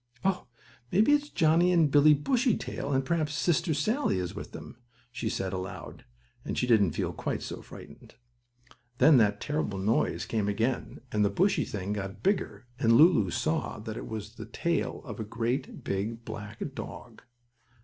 "Oh, maybe it's Johnnie and Billie Bushytail, and perhaps Sister Sallie is with them!" she said, aloud, and she didn't feel quite so frightened. Then that terrible noise came again, and the bushy thing got bigger, and Lulu saw that it was the tail of a great, big black dog.